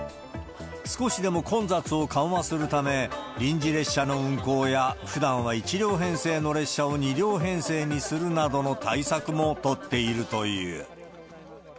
少しでも混雑を緩和するため、臨時列車の運行は、ふだんは１両編成の列車を２両編成にするなどの対策も取っているという。